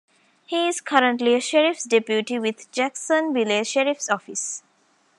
He is currently a sheriffs deputy with the Jacksonville Sheriff's Office.